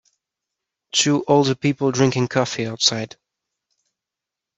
Two older people drinking coffee outside.